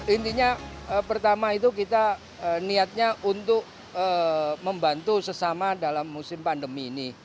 intinya pertama itu kita niatnya untuk membantu sesama dalam musim pandemi ini